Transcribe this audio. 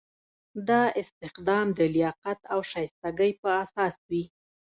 دا استخدام د لیاقت او شایستګۍ په اساس وي.